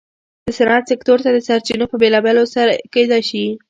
د صنعت سکتور ته د سرچینو په بېلولو سره کېدای شوای.